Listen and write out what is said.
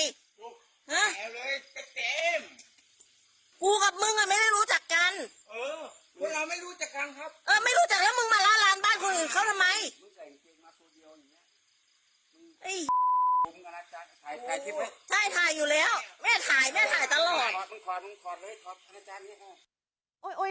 หนะกูกับมึงไม่รู้จักกันคนลองไม่รู้จักกันครับไม่รู้จักกันละลางบ้าง